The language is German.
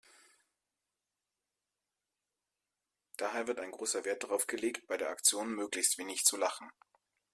Daher wird großer Wert darauf gelegt, bei der Aktion möglichst wenig zu lachen.